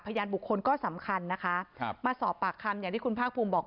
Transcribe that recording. พยานบุคคลก็สำคัญนะคะครับมาสอบปากคำอย่างที่คุณภาคภูมิบอก